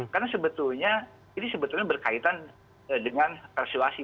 karena sebetulnya ini sebetulnya berkaitan dengan persuasi